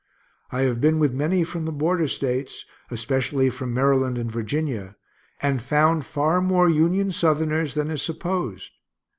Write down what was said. I have been with many from the border States, especially from Maryland and Virginia, and found far more Union Southerners than is supposed.